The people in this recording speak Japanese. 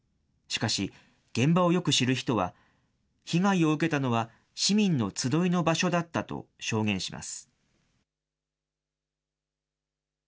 しかし、現場をよく知る人は、被害を受けたのは市民の集いの場所だったと証言します。